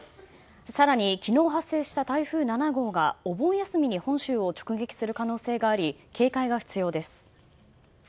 更に昨日発生した台風７号がお盆休みに本州を直撃する可能性があり警戒が必要です。